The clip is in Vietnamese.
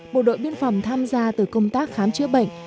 bộ đội biên phòng tham gia từ công tác khám chữa bệnh